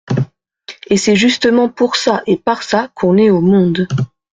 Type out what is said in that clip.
Et c'est justement pour ça et par ça qu'on est au monde.